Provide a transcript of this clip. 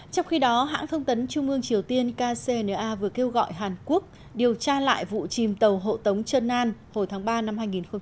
trong khi đó hãng thông tấn trung ương triều tiên kcna vừa kêu gọi hàn quốc điều tra lại vụ chìm tàu hộ tống trần an hồi tháng ba năm hai nghìn hai mươi